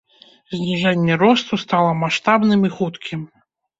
Зніжэнне росту стала маштабным і хуткім.